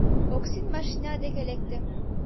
Оксин машина деке лекте.